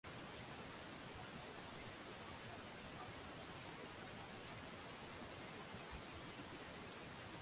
Mwili au wakala wa kibaolojia kwa mazingira ambayo husababisha mabadiliko anuwai mabaya